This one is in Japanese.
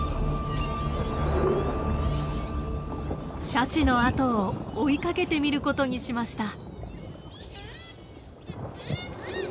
シャチのあとを追いかけてみることにしました。